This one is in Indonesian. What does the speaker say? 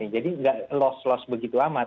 jadi tidak loss loss begitu amat